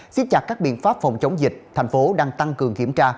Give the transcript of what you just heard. xiết chặt các biện pháp phòng chống dịch thành phố đang tăng cường kiểm tra